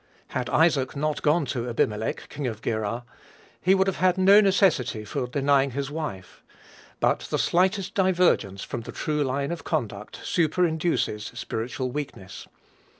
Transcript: Had Isaac not gone to Abimelech, King of Gerar, he would have no necessity for denying his wife; but the slightest divergence from the true line of conduct superinduces spiritual weakness.